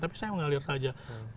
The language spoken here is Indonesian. tapi saya mengalir saja